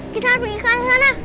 kita harus pergi ke sana